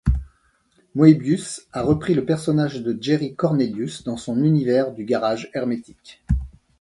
Moebius a repris le personnage de Jerry Cornelius dans son univers du Garage hermétique.